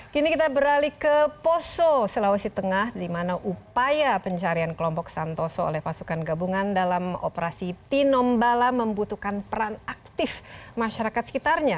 kini kita beralih ke poso sulawesi tengah di mana upaya pencarian kelompok santoso oleh pasukan gabungan dalam operasi tinombala membutuhkan peran aktif masyarakat sekitarnya